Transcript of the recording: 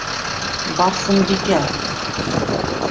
Барсынбикә.